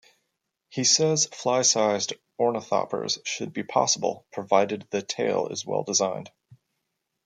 He says fly-size ornithopters should be possible, provided the tail is well designed.